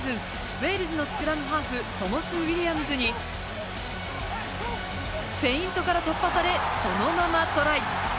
ウェールズのスクラムハーフトモス・ウィリアムズにフェイントから突破されそのままトライ。